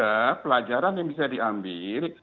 ada pelajaran yang bisa diambil